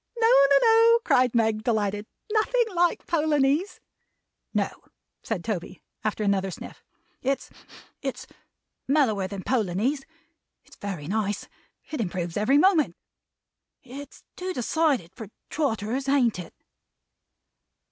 "No, no, no!" cried Meg, delighted. "Nothing like Polonies!" "No," said Toby, after another sniff. "It's it's mellower than Polonies. It's very nice. It improves every moment. It's too decided for Trotters. Ain't it?"